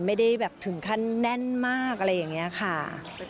ไม่ได้แบบถึงขั้นแน่นมากอะไรอย่างนี้ค่ะ